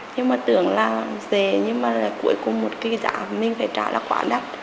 nhưng mà tưởng là về nhưng mà cuối cùng một cái giá mình phải trả là quá đắt